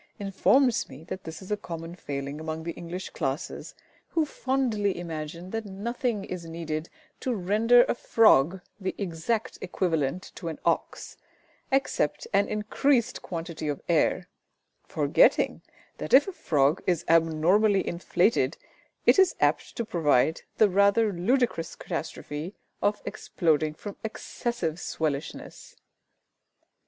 informs me that this is a common failing among the English classes, who fondly imagine that nothing is needed to render a frog the exact equivalent to an ox except an increased quantity of air, forgetting that if a frog is abnormally inflated, it is apt to provide the rather ludicrous catastrophe of exploding from excessive swellishness!